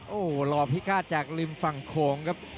โอ้โหหล่อพิฆาตจากริมฝั่งโขงครับ